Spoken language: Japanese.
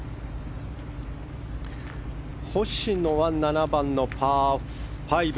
星野は７番のパー５。